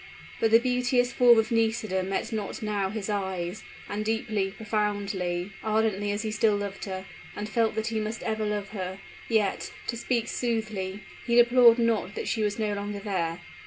But the beauteous form of Nisida met not now his eyes; and deeply, profoundly, ardently as he still loved her, and felt that he must ever love her, yet, to speak soothly, he deplored not that she was no longer there.